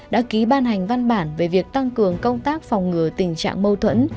đã ký ban hành văn bản về việc tăng cường công tác phòng ngừa tình trạng mâu thuẫn